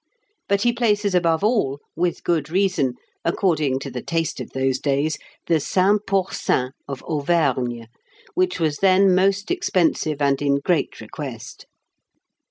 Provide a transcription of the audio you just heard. But he places above all, with good reason, according to the taste of those days, the Saint Pourçain of Auvergne, which was then most expensive and in great request.